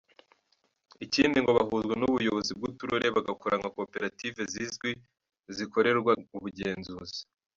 Ikindi ngo bahuzwa n’ubuyobozi bw’uturere bagakora nka koperative zizwi, zikorerwa ubugenzuzi.